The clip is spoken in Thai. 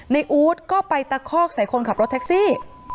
อู๊ดก็ไปตะคอกใส่คนขับรถแท็กซี่